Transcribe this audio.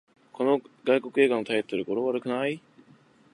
この外国映画のタイトル、語呂悪くない？